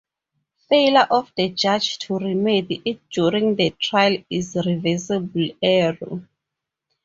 Failure of the judge to remedy it during the trial is reversible error.